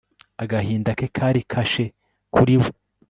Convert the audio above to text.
Agahinda ke kari kashe kuri we